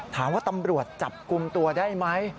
ถามว่าตำรวจจับกลุ่มตัวได้ไหม